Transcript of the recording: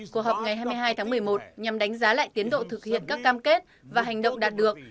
của hợp ngày hai mươi hai tháng một mươi một nhằm đánh giá lại tiến độ thực hiện các cam kết và hành động đạt được